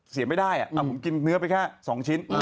เสียไม่ได้ผมกินเนื้อไปแค่๒ชิ้น